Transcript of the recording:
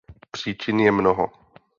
Příčin je mnoho.